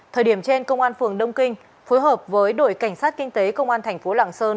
thời điểm trên công an phường đông kinh phối hợp với đội cảnh sát kinh tế công an thành phố lạng sơn